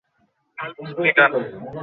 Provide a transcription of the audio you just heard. আবহাওয়া আবার খারাপ হতে পারে।